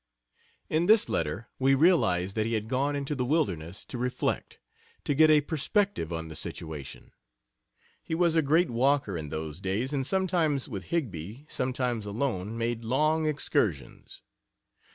In this letter we realize that he had gone into the wilderness to reflect to get a perspective on the situation. He was a great walker in those days, and sometimes with Higbie, sometimes alone, made long excursions.